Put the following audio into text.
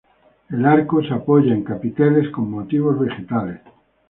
El arco de apoya en capiteles con motivos vegetales.